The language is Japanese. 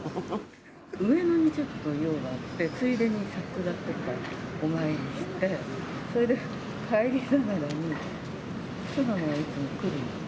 上野にちょっと用があって、ついでに桜とか、お参りして、それで帰りながらに巣鴨はいつも来るんで。